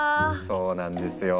そうなんですよ。